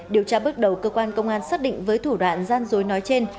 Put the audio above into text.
điều tra bước đầu cơ quan công an xác định với thủ đoạn gian dối nói trên